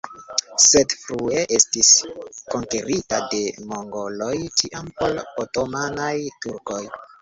Sed frue estis konkerita de mongoloj, tiam por otomanaj turkoj.